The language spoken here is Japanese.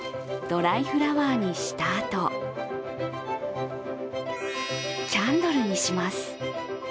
ドライフラワーにしたあと、キャンドルにします。